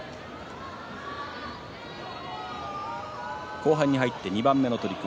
後半に入って２番目の取組